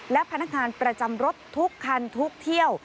และพนักงานประจำรถทุกคันทุกเที่ยว